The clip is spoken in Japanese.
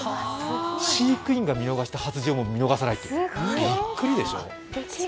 飼育員が見逃した発情も見逃さない、びっくりでしょう。